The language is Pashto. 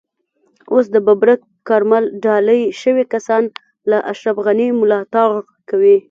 اوس د ببرک کارمل ډالۍ شوي کسان له اشرف غني ملاتړ کوي.